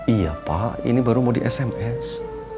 iya pak ini baru mau di sms